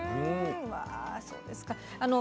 わそうですか。